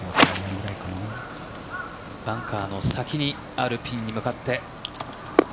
バンカーの先にあるピンに向かって。